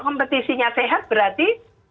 kompetisinya sehat berarti